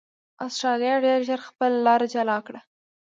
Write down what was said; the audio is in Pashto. اسټرالیا ډېر ژر خپله لار جلا کړه.